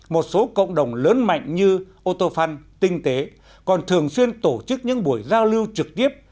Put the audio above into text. một số cộng đồng lớn mạnh như autofun tinh tế còn thường xuyên tổ chức những buổi giao lưu trực tiếp